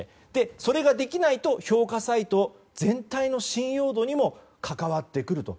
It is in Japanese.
それができないと評価サイト全体の信用度にも関わってくると。